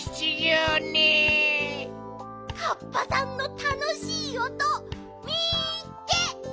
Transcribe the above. カッパさんのたのしいおとみっけ！